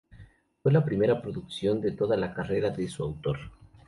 Fue la primera producción de toda la carrera de su autor.